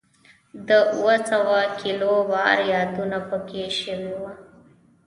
د اووه سوه کیلو بار یادونه په کې شوې وه.